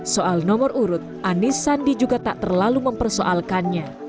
soal nomor urut anis sandi juga tak terlalu mempersoalkannya